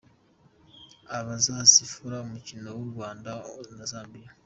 Abazasifura umukino w’u Rwanda na Zambia.